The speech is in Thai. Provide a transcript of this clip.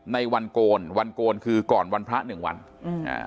ในวันโกนวันโกนคือก่อนวันพระหนึ่งวันอืมอ่า